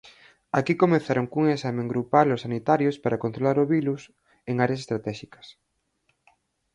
Aquí comezaron cun exame grupal aos sanitarios para controlar o virus en áreas estratéxicas.